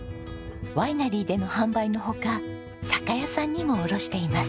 ワイナリーでの販売の他酒屋さんにも卸しています。